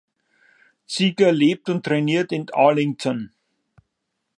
Ziegler lebt und trainiert in Arlington.